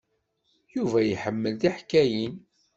Yuba iḥemmel tiḥkayin.